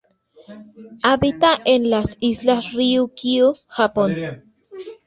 Habita en las Islas Ryūkyū Japón.